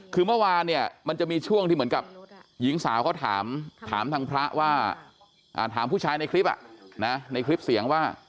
คือเมื่อวานเนี่ยมันจะมีช่วงที่เหมือนกับหญิงสาวเขาถามทางพระว่าถามผู้ชายในคลิปในคลิปเสียงว่า